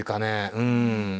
うん。